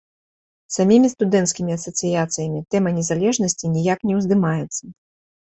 Самімі студэнцкімі асацыяцыямі тэма незалежнасці ніяк не ўздымаецца.